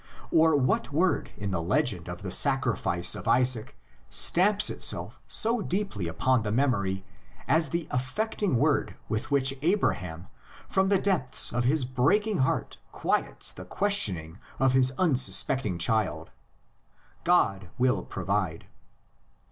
— Or what word in the legend of the sacri fice of Isaac stamps itself so deeply upon the memory as the affecting word with which Abraham from the depths of his breaking heart quiets the questioning of his unsuspecting child: God will pro vide!